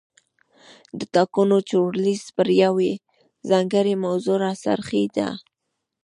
د ټاکنو چورلیز پر یوې ځانګړې موضوع را څرخېده.